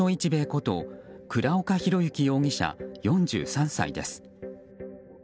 こと倉岡宏行容疑者、４３歳です。